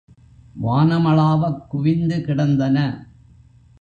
வானமளாவக் குவிந்து கிடந்தன.